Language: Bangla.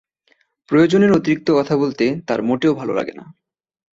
প্রয়োজনের অতিরিক্ত কথা বলতে তার মোটেও ভালো লাগে না।